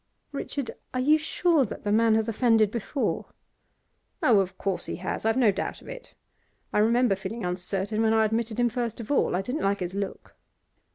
'Richard, are you sure that the man has offended before?' 'Oh, of course he has. I've no doubt of it. I remember feeling uncertain when I admitted him first of all. I didn't like his look.